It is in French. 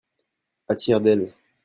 À tire d'aile.